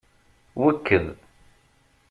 Wekked.